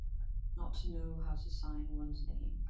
Not to know how to sign one's name.